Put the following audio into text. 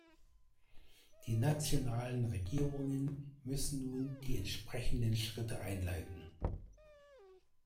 Die nationalen Regierungen müssen nun die entsprechenden Schritte einleiten.